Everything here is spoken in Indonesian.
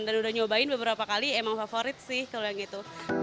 dan udah nyobain beberapa kali emang favorit sih kalau yang gitu